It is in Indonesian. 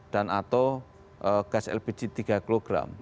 dan atau gas lpg tiga kg